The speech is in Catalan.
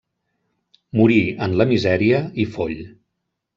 Morí en la misèria i foll.